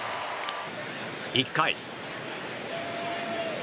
１回。